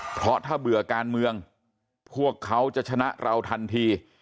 เพราะถ้าเบื่อการเมืองพวกเขาจะชนะเราทันที